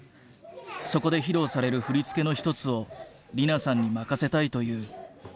そこで披露される振り付けの一つを莉菜さんに任せたいという。